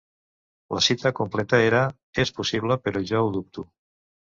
La cita completa era És possible, però jo ho dubto.